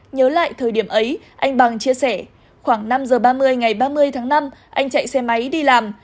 nhớ lại thời điểm ấy anh bằng chia sẻ khoảng năm giờ ba mươi ngày ba mươi tháng năm anh chạy xe máy đi làm